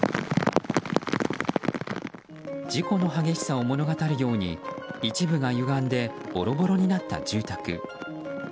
事故の激しさを物語るように一部がゆがんでボロボロになった住宅。